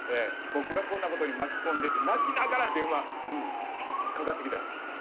「僕がこんなことに巻き込んで」って泣きながら電話かかってきたんです。